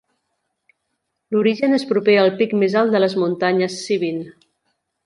L'origen és proper al pic més alt de les muntanyes Cibin.